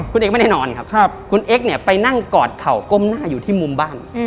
คุณเอ็กไม่ได้นอนครับคุณเอ็กซเนี่ยไปนั่งกอดเข่าก้มหน้าอยู่ที่มุมบ้าน